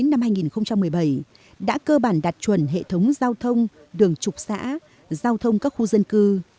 năm hai nghìn một mươi bảy đã cơ bản đạt chuẩn hệ thống giao thông đường trục xã giao thông các khu dân cư